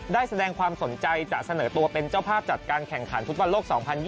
ได้แสดงความสนใจจะเสนอตัวเป็นเจ้าภาพจัดการแข่งขันฟุตบอลโลก๒๐๒๐